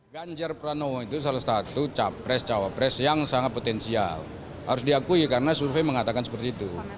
ganjar pranowo itu salah satu capres cawapres yang sangat potensial harus diakui karena survei mengatakan seperti itu